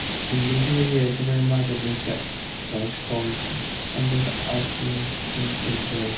In recent years, several market research call centres have opened in Prince George.